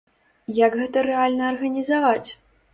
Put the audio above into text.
Як гэта рэальна арганізаваць?